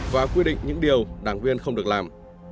và quy định những điều đảng viên không được làm